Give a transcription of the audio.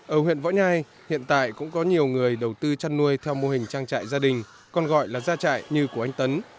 ở huyện võ nhai hiện tại cũng có nhiều người đầu tư chăn nuôi theo mô hình trang trại gia đình còn gọi là gia trại như của anh tấn